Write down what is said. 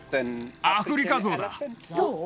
アフリカゾウだゾウ？